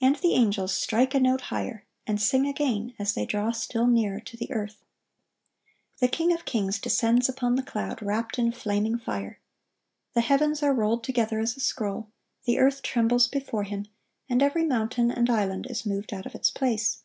And the angels strike a note higher, and sing again, as they draw still nearer to the earth. The King of kings descends upon the cloud, wrapped in flaming fire. The heavens are rolled together as a scroll, the earth trembles before Him, and every mountain and island is moved out of its place.